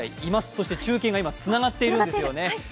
そして中継が今つながっているんですよね。